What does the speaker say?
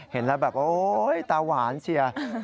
เห็นแล้วแบบโอ๊ยตาหวานเชีย